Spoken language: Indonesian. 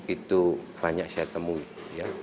itu banyak saya temui